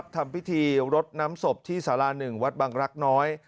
ทำพิธีรดน้ำศพที่สารา๑วัดบังรักน้อย